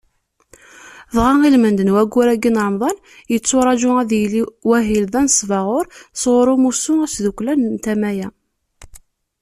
Dɣa ilmend n waggur-agi n Remḍan, yetturaǧu ad yili wahil d anesbaɣur sɣur umussu asdukklan n tama-a.